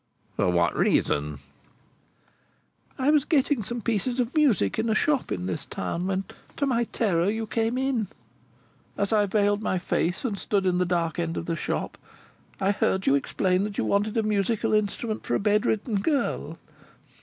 "For what reason?" "I was getting some pieces of music in a shop in this town, when, to my terror, you came in. As I veiled my face and stood in the dark end of the shop, I heard you explain that you wanted a musical instrument for a bedridden girl.